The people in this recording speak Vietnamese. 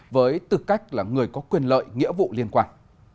với tư cách là người có quyền lợi nghĩa vụ liên quan